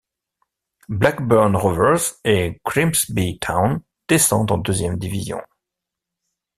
Blackburn Rovers et Grimsby Town descendent en deuxième division.